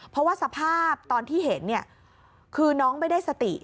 เพราะว่าสภาพตอนที่เห็นคือน้องไม่ได้สติ